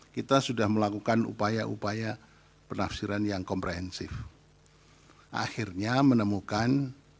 kita sudah melakukan upaya upaya penafsiran yang komprehensif akhirnya menemukan